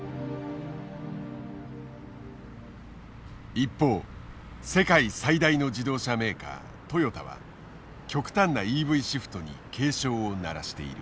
一方世界最大の自動車メーカートヨタは極端なＥＶシフトに警鐘を鳴らしている。